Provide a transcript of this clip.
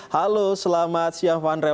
halo selamat siang ivanrel